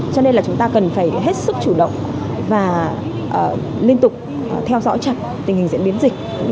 cho nên là chúng ta cần phải hết sức chủ động và liên tục theo dõi chặt tình hình diễn biến dịch